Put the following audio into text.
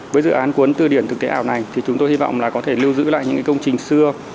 với dự án cuốn từ điển thực tế ảo này thì chúng tôi hy vọng là có thể lưu giữ lại những công trình xưa